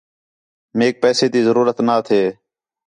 میک پیسے تی ضرورت نا تھے